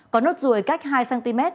có nốt ruồi cách hai cm